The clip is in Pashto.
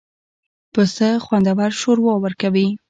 پسه خوندور شوروا ورکوي.